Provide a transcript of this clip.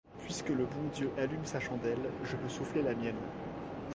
Puisque le bon Dieu allume sa chandelle, je peux souffler la mienne.